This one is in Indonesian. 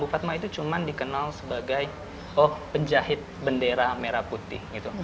bupat mawati itu cuma dikenal sebagai oh penjahit bendera merah putih gitu